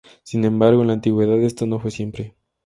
Sin embargo, en la antigüedad, esto no fue siempre así.